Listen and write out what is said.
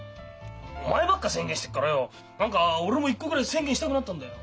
お前ばっか宣言してっからよ何か俺も一個ぐらい宣言したくなったんだよ。